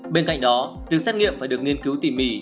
bên cạnh đó việc xét nghiệm phải được nghiên cứu tỉ mỉ